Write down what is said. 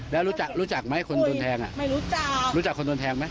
แล้วรู้จักรู้จักไหมคนโดนแทงอ่ะไม่รู้จักรู้จักคนโดนแทงไหม